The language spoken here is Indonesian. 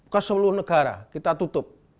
keseluruh negara kita tutup